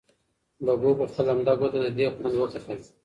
ببو په خپله لمده ګوته د دېګ خوند وکتل.